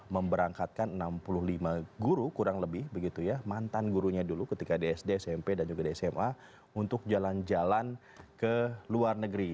memberangkatkan enam puluh lima guru kurang lebih begitu ya mantan gurunya dulu ketika di sd smp dan juga di sma untuk jalan jalan ke luar negeri